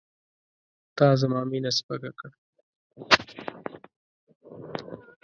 تا زما مینه سپکه کړه.